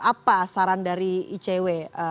apa saran dari icw